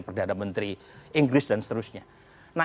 perdana menteri inggris dan seterusnya